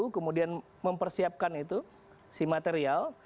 kemudian mempersiapkan itu si material